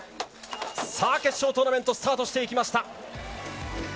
さあ、決勝トーナメントスタートしていきました！